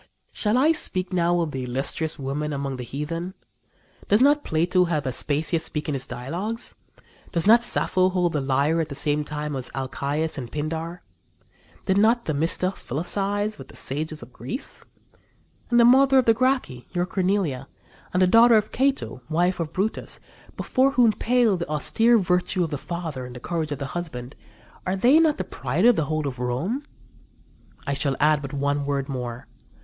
Shall I speak now of the illustrious women among the heathen? Does not Plato have Aspasia speak in his dialogues? Does not Sappho hold the lyre at the same time as Alcæus and Pindar? Did not Themista philosophize with the sages of Greece? And the mother of the Gracchi, your Cornelia, and the daughter of Cato, wife of Brutus, before whom pale the austere virtue of the father and the courage of the husband are they not the pride of the whole of Rome? I shall add but one word more.